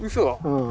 うん。